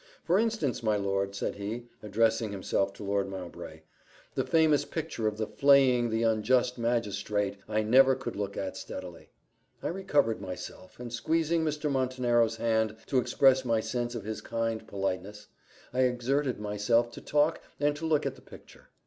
"For instance, my lord," said he, addressing himself to Lord Mowbray, "the famous picture of the flaying the unjust magistrate I never could look at steadily." I recovered myself and squeezing Mr. Montenero's hand to express my sense of his kind politeness, I exerted myself to talk and to look at the picture.